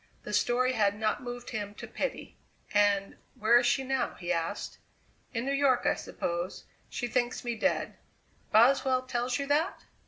The story had not moved him to pity. "And where is she now?" he asked. "In New York, I suppose. She thinks me dead." "Boswell tells you that?"